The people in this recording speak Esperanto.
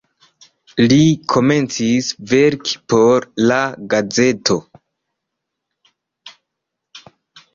Li komencis verki por la gazeto.